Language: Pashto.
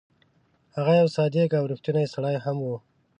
هغه یو صادق او ریښتونی سړی هم وو.